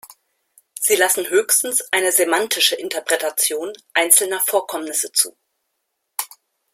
Sie lassen höchstens eine semantische Interpretation einzelner Vorkommnisse zu.